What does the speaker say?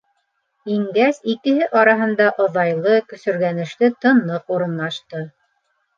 Ингәс икеһе араһында оҙайлы, көсөргәнешле тынлыҡ урынлашты.